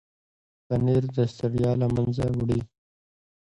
پنېر د ستړیا له منځه وړي.